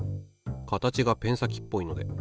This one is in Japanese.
形がペン先っぽいので。